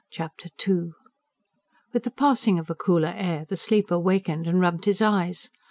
Chapter II With the passing of a cooler air the sleeper wakened and rubbed his eyes.